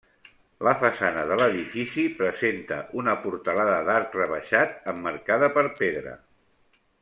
La façana de l'edifici presenta una portalada d'arc rebaixat emmarcada per pedra.